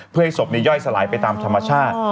เพื่อให้ศพย่อยสลายไปตามธรรมชาติ